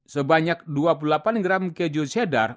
sebanyak dua puluh delapan gram keju cheddar